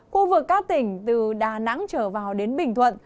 khu vực các tỉnh từ đà nẵng trở vào đến bình thuận